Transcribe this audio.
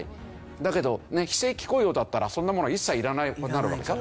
だけど非正規雇用だったらそんなものは一切いらなくなるわけでしょ？